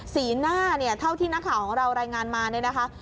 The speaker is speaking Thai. สีหน้าเนี่ยเท่าที่นักข่าวของเรารายงานมาเนี่ยนะคะ